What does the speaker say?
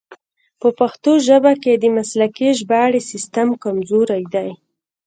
په پښتو ژبه کې د مسلکي ژباړې سیستم کمزوری دی.